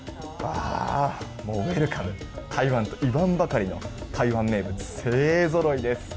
もうウェルカム台湾と言わんばかりの台湾名物が勢ぞろいです。